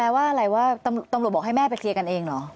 ว่าอะไรว่าตำรวจบอกให้แม่ไปเคลียร์กันเองเหรอ